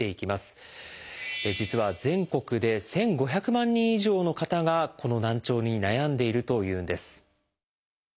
実は全国で１，５００万人以上の方がこの難聴に悩んでいるというんです。